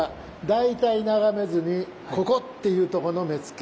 「大体眺めずにここ！っていうとこの目付」。